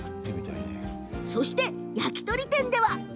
そして、焼き鳥店では。